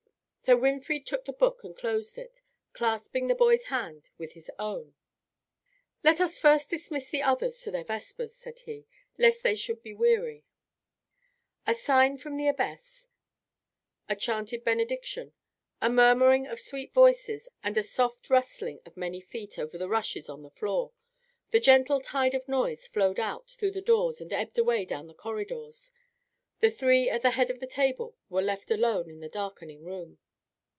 So Winfried took the book and closed it, clasping the boy's hand with his own. "Let us first dismiss the others to their vespers," said he, "lest they should be weary." A sign from the abbess; a chanted benediction; a murmuring of sweet voices and a soft rustling of many feet over the rushes on the floor; the gentle tide of noise flowed out through the doors and ebbed away down the corridors; the three at the head of the table were left alone in the darkening room.